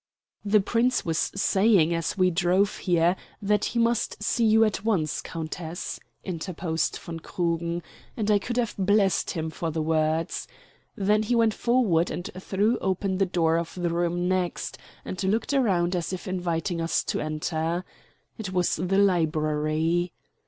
"The Prince was saying as we drove here that he must see you at once, countess," interposed von Krugen, and I could have blessed him for the words. Then he went forward and threw open the door of the room next, and looked round as if inviting us to enter. It was the library.